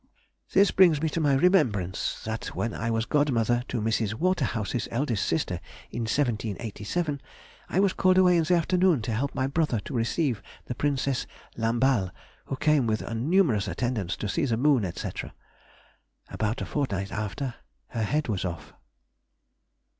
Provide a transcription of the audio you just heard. This brings to my remembrance, that when I was godmother to Mrs. Waterhouse's eldest sister in 1787, I was called away in the afternoon to help my brother to receive the Princesse Lamballe, who came with a numerous attendance to see the moon, &c. About a fortnight after, her head was off.